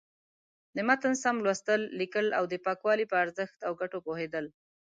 د متن سم لوستل، ليکل او د پاکوالي په ارزښت او گټو پوهېدل.